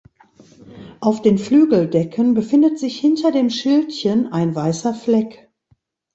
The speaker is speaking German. Auf den Flügeldecken befindet sich hinter dem Schildchen ein weißer Fleck.